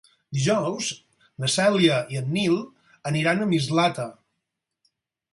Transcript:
Dijous na Cèlia i en Nil aniran a Mislata.